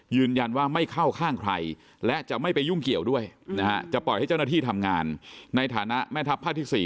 ยืนยันว่าไม่เข้าข้างใครและจะไม่ไปยุ่งเกี่ยวด้วยนะฮะจะปล่อยให้เจ้าหน้าที่ทำงานในฐานะแม่ทัพภาคที่๔